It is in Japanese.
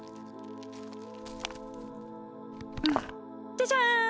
じゃじゃん！